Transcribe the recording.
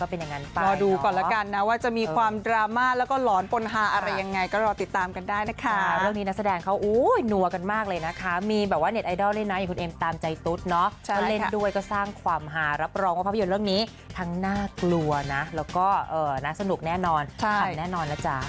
รองว่าภาพยนตร์เรื่องนี้ทั้งน่ากลัวนะแล้วก็น่าสนุกแน่นอนขันแน่นอนแล้วจ้า